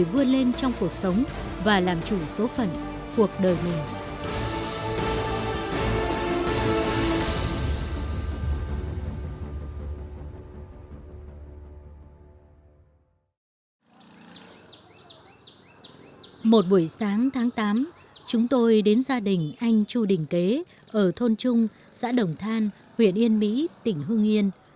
một buổi sáng tháng tám chúng tôi đến gia đình anh chu đình kế ở thôn trung xã đồng than huyện yên mỹ tỉnh hương yên